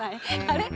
あれ？